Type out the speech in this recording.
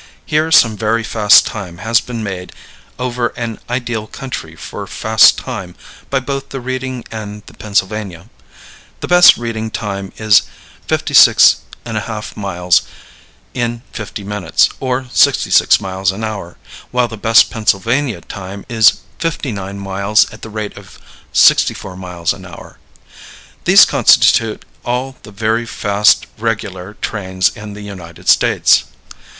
Here some very fast time has been made over an ideal country for fast time by both the Reading and the Pennsylvania. The best Reading time is 56½ miles in 50 minutes, or 66 miles an hour, while the best Pennsylvania time is 59 miles at the rate of 64 miles an hour. These constitute all the very fast regular trains in the United States.